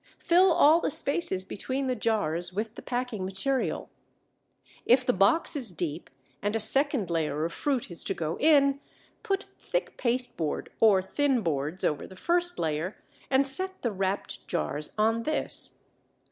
Fill all the spaces between the jars with the packing material. If the box is deep and a second layer of fruit is to go in, put thick pasteboard or thin boards over the first layer and set the wrapped jars on this.